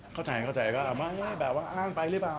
เข้าใจเข้าใจก็ไม่แบบว่าอ้างไปหรือเปล่า